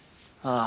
ああ。